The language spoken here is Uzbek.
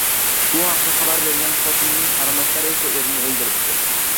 Bu haqda xabar topgan xotinning qarindoshlari esa erni oʻldiribdi.